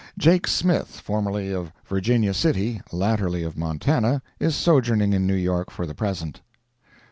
Jake Smith, formerly of Virginia City, latterly of Montana, is sojourning in New York for the present.